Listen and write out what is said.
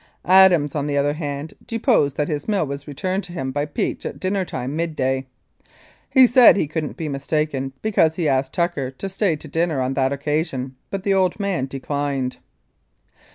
Adams, on the other hand, deposed that his mill was returned to him by Peach at dinner time, midday. He said he couldn't be mistaken because he asked Tucker to stay to dinner on that occasion, but the old man declined.